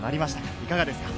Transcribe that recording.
いかがですか？